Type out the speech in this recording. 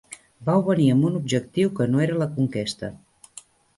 Vau venir amb un objectiu que no era la conquesta.